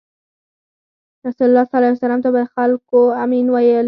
رسول الله ﷺ ته به خلکو “امین” ویل.